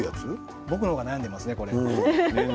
僕の方が悩んでいますね。